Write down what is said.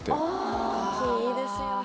あ木いいですよね